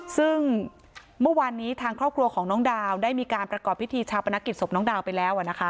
ซึ่งเมื่อวานนี้ทางครอบครัวของน้องดาวได้มีการประกอบพิธีชาปนกิจศพน้องดาวไปแล้ว